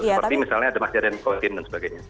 seperti misalnya ada masih ada yang covid dan sebagainya